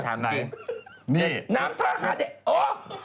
ถามจริงนี่น้ำท่าคาแดกโอ๊ย